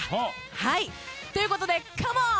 はいということでカモーン！